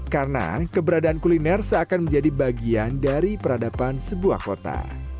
karena keberadaan kuliner seakan menjadi bagian dari peradaban sebuah kota